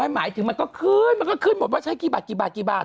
หมายถึงมันก็ขึ้นมันก็ขึ้นหมดว่าใช่กี่บาท